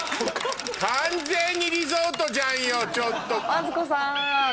マツコさん！